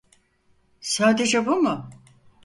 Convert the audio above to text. Sadece bu mu?